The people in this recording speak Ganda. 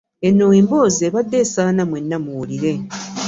Eno emboozi ebadde esaana mwenna muwulire.